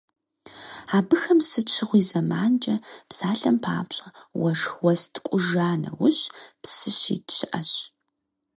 Абыхэм сыт щыгъуи зэманкӀэ, псалъэм папщӀэ, уэшх, уэс ткӀуж а нэужь псы щит щыӀэщ.